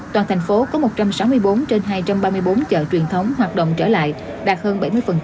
toàn thành phố có một trăm sáu mươi bốn trên hai trăm ba mươi bốn chợ truyền thống hoạt động trở lại đạt hơn bảy mươi